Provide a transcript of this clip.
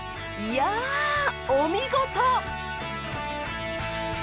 いやお見事！